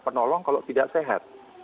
penolong kalau tidak sehat